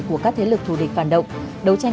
của các thế lực thù địch phản động đấu tranh